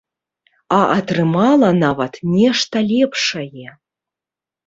А атрымала нават нешта лепшае.